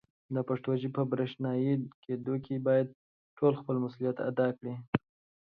د پښتو ژبې په برښنایې کېدلو کې باید ټول خپل مسولیت ادا کړي.